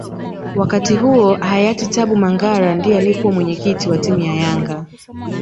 Wakati huo Hayati Tabu Mangara ndiye aliyekuwa mwenyekiti wa timu ya yanga